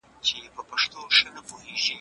واقعيتونه بايد سم بيان سي.